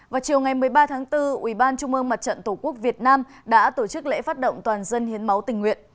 vào chiều ngày một mươi ba tháng bốn ubnd tổ quốc việt nam đã tổ chức lễ phát động toàn dân hiến máu tình nguyện